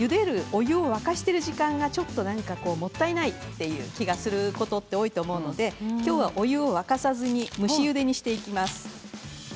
お湯を沸かしている時間がちょっとなんかもったいないという気がすること多いと思うのできょうは、お湯を沸かさずに蒸しゆでにしていきます。